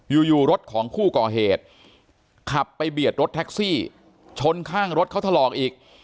อยู่อยู่รถของผู้ก่อเหตุขับไปเบียดรถแท็กซี่ชนข้างรถเขาถลอกอีก